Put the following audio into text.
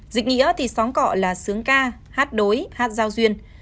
dịch nghĩa thì xóm cọ là sướng ca hát đối hát giao duyên